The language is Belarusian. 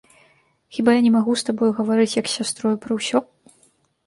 Хіба я не магу з табою гаварыць як з сястрою пра ўсё?